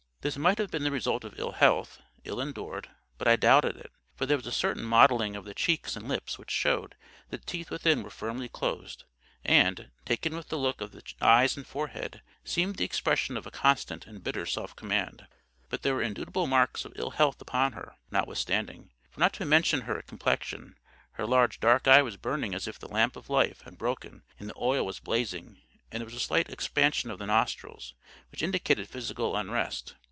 This might have been the result of ill health, ill endured; but I doubted it. For there was a certain modelling of the cheeks and lips which showed that the teeth within were firmly closed; and, taken with the look of the eyes and forehead, seemed the expression of a constant and bitter self command. But there were indubitable marks of ill health upon her, notwithstanding; for not to mention her complexion, her large dark eye was burning as if the lamp of life had broken and the oil was blazing; and there was a slight expansion of the nostrils, which indicated physical unrest.